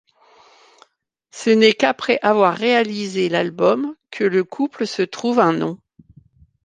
Ce n'est qu'après avoir réalisé l'album que le couple se trouve un nom.